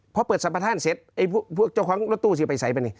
พอเปิดสรรพท่านเสร็จไอ้พวกเจ้าของรถตู้สิไปใส่ไปนี่